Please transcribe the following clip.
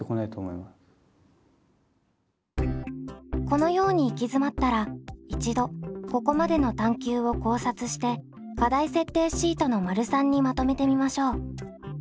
このように行き詰まったら一度ここまでの探究を考察して課題設定シートの③にまとめてみましょう。